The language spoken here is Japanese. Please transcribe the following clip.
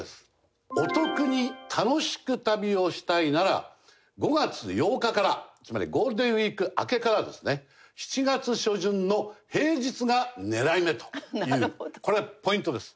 お得に楽しく旅をしたいなら５月８日からつまりゴールデンウィーク明けからですね７月初旬の平日が狙い目というこれがポイントです。